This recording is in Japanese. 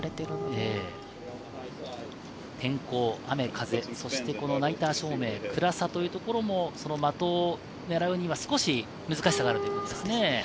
天候、雨、風、そしてナイター照明、暗さというところも的を狙うのが少し難しさがあるということですね。